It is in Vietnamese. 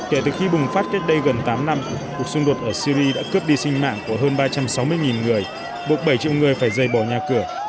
kể từ khi bùng phát cách đây gần tám năm cuộc xung đột ở syri đã cướp đi sinh mạng của hơn ba trăm sáu mươi người buộc bảy triệu người phải rời bỏ nhà cửa